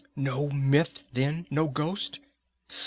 "No myth, then, no ghost!